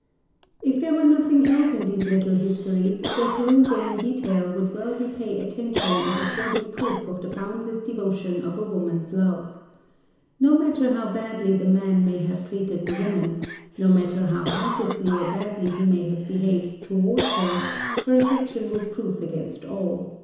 If there were nothing else in these little histories, their perusal in detail would well repay attention as affording proof of the boundless devotion of woman's love. No matter how badly the man may have treated the woman, no matter how heartlessly or badly he may have behaved towards her, her affection was proof against all.